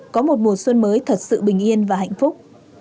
có một mùa xuân mới thật sự bình yên và hạnh phúc